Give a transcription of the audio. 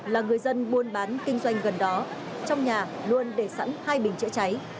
là người dân buôn bán kinh doanh gần đó trong nhà luôn để sẵn hai bình chữa cháy